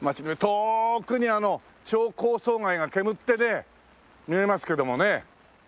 遠くに超高層街がけむってね見えますけどもね。